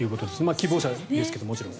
希望者ですけど、もちろん。